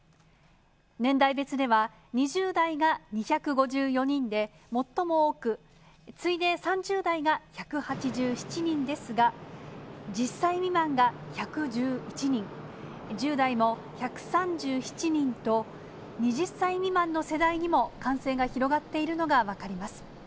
年代別では、２０代が２５４人で最も多く、次いで３０代が１８７人ですが、１０歳未満が１１１人、１０代も１３７人と、２０歳未満の世代にも感染が広がっているのが分かります。